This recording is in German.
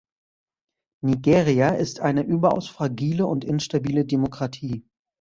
Nigeria ist eine überaus fragile und instabile Demokratie.